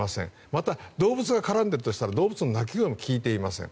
また、動物が絡んでいるとしたら動物の鳴き声も聞いていません。